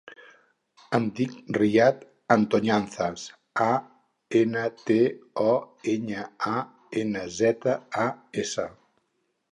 Em dic Riyad Antoñanzas: a, ena, te, o, enya, a, ena, zeta, a, essa.